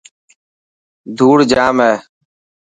ڌوڙ ڄام هي.